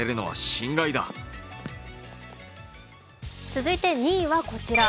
続いて２位はこちら。